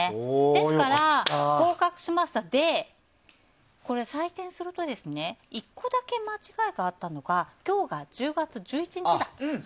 ですから、合格しましたので採点すると１個だけ間違えがあったのが今日が１０月１１日だったと。